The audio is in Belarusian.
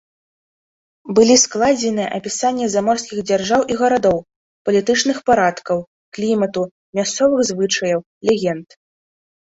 Былі складзеныя апісанні заморскіх дзяржаў і гарадоў, палітычных парадкаў, клімату, мясцовых звычаяў, легенд.